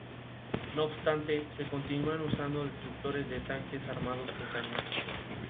No obstante, se continúan usando destructores de tanques armados con cañón.